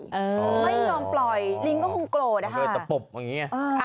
ไม่ยอมปล่อยลิงก็คงโกรธอะค่ะ